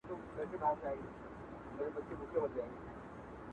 یو کونړی ځوان وو